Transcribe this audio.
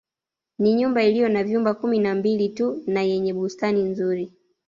Ni nyumba iliyo na vyumba kumi na Mbili tu na yenye bustani nzuri